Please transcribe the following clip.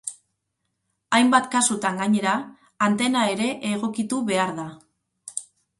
Hainbat kasutan, gainera, antena ere egokitu behar da.